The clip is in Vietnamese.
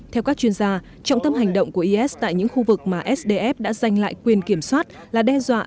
theo các chuyên gia trọng tâm hành động của is tại những khu vực mà sdf đã giành lại quyền kiểm soát là đe dọa